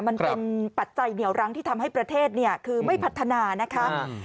มันเป็นปัจจัยเหนียวรั้งที่ทำให้ประเทศคือไม่พัฒนานะครับ